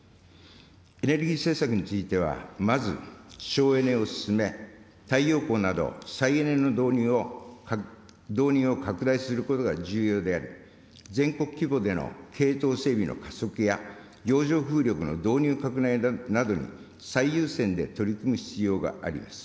エネルギー政策については、まず省エネを進め、太陽光など再エネの導入を拡大することが重要であり、全国規模での系統整備の加速や、洋上風力の導入拡大などに最優先で取り組む必要があります。